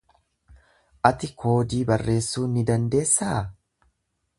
Ati koodii barreessuu ni dandeessaa?